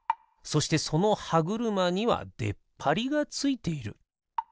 そしてそのはぐるまにはでっぱりがついている。